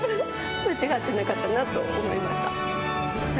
間違ってなかったなと思いました。